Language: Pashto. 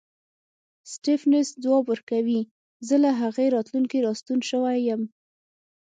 سټېفنس ځواب ورکوي زه له هغې راتلونکې راستون شوی یم.